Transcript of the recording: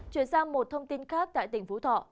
chuyển sang một thông tin khác tại tỉnh phú thọ